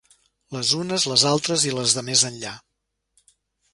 Les unes, les altres i les de més enllà.